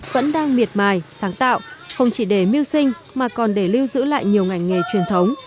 vẫn đang miệt mài sáng tạo không chỉ để mưu sinh mà còn để lưu giữ lại nhiều ngành nghề truyền thống